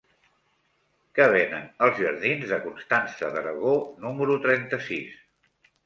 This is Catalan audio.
Què venen als jardins de Constança d'Aragó número trenta-sis?